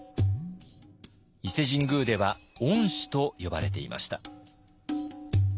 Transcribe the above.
伊勢神宮では御師と呼ばれていました。